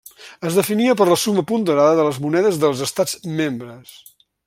Es definia per la suma ponderada de les monedes dels estats membres.